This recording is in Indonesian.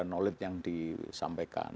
keberadaan yang disampaikan